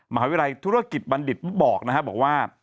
มหาวิทยาลัยธุรกิจบัณฑิตบอกนะครับบอกว่า